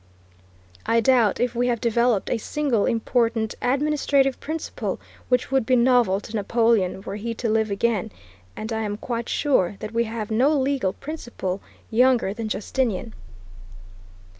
I doubt if we have developed a single important administrative principle which would be novel to Napoleon, were he to live again, and I am quite sure that we have no legal principle younger than Justinian.